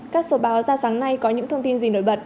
các số báo ra sáng nay có những thông tin gì nổi bật